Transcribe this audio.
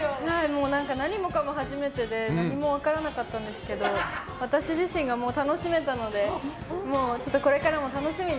何もかも初めてで何も分からなかったんですけど私自身が楽しめたのでこれからも楽しみに。